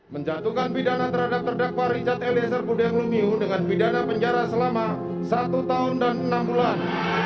menjatuhkan pidana terhadap terdakwa richard eliezer budiang lumiu dengan pidana penjara selama satu tahun dan enam bulan